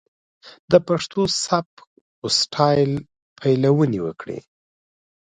د پښتو سبک و سټايل پليوني وکړي.